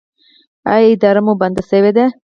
ایا ادرار مو بند شوی دی؟